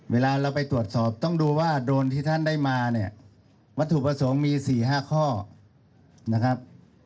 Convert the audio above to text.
เวลาเราไปตรวจสอบต้องดูว่าโดรนที่ท่านได้มาเนี่ยวัตถุประสงค์มี๔๕ข้อนะครับ